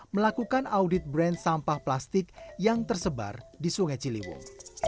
melakukan audit brand sampah plastik yang tersebar di sungai ciliwung